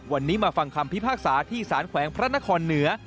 วันนี้มาฟังคำพิพากษาที่สารแขวงพระนครเหนือ